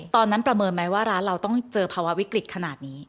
ประเมินไหมว่าร้านเราต้องเจอภาวะวิกฤตขนาดนี้